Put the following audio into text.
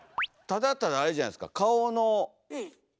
ただただあれじゃないですか？